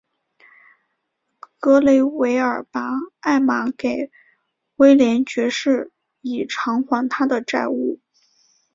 格雷维尔把艾玛给威廉爵士以偿还他的债务。